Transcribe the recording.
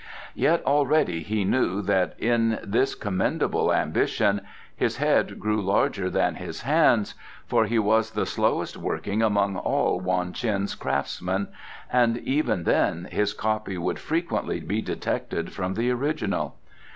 Yet already he knew that in this commendable ambition his head grew larger than his hands, for he was the slowest working among all Wong Ts'in's craftsmen, and even then his copy could frequently be detected from the original.